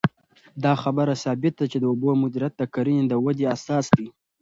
دا خبره ثابته ده چې د اوبو مدیریت د کرنې د ودې اساس دی.